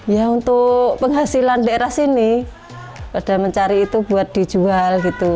ya untuk penghasilan daerah sini pada mencari itu buat dijual gitu